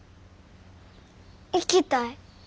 行きたい。